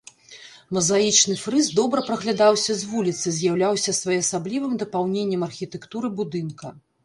Мазаічны фрыз добра праглядаўся з вуліцы, з'яўляўся своеасаблівым дапаўненнем архітэктуры будынка.